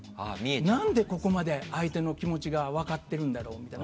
なんでここまで相手の気持ちが分かっているんだろうみたいな。